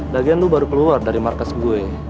dagean lu baru keluar dari markas gue